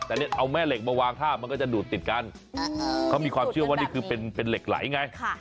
แต่เอาแม่เหล็กมาวางท่ามันก็จะดูดติดกันเขามีความเชื่อว่านี่คือเป็นเหล็กไหลไง